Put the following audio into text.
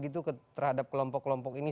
terhadap kelompok kelompok ini